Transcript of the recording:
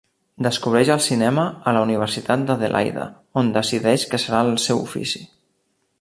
Descobreix el cinema a la universitat d'Adelaida on decideix que serà el seu ofici.